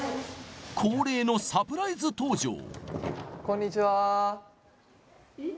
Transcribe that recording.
恒例のサプライズ登場えっ？